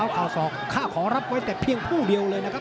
ข่าวศอกข้าขอรับไว้แต่เพียงผู้เดียวเลยนะครับ